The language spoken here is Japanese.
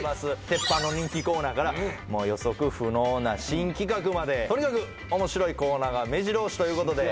鉄板の人気コーナーから予測不能な新企画までとにかく面白いコーナーがめじろ押しということで。